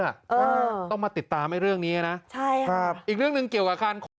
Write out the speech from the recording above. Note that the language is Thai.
เออต้องมาติดตามให้เรื่องนี้นะอีกเรื่องหนึ่งเกี่ยวกับใช่ครับ